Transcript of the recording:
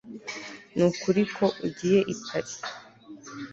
Nukuri ko ugiye i Paris